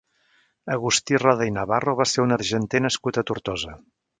Agustí Roda i Navarro va ser un argenter nascut a Tortosa.